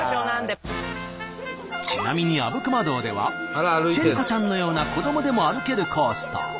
ちなみにあぶくま洞ではチェリ子ちゃんのような子どもでも歩けるコースと。